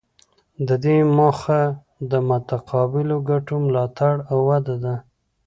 د دې موخه د متقابلو ګټو ملاتړ او وده ده